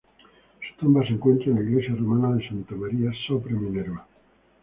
Su tumba se encuentra en la iglesia romana de Santa María sopra Minerva.